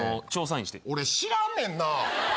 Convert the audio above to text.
俺知らんねんなぁ！